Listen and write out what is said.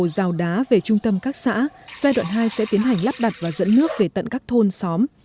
đào đá về trung tâm các xã giai đoạn hai sẽ tiến hành lắp đặt và dẫn nước về tận các thôn xóm